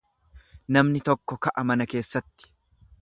Namni tokko ka'a mana keessatti.